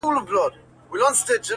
که کتل یې چي مېړه یې یک تنها دی -